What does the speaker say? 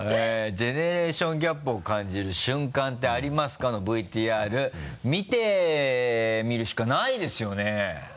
「ジェネレーションギャップを感じる瞬間ってありますか？」のＶＴＲ見てみるしかないですよね？